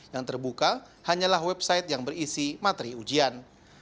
yang terbuka hanyalah website yang berisi materi ujian